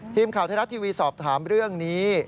ทีมข่าวไทยรัฐทีวีสอบถามเรื่องนี้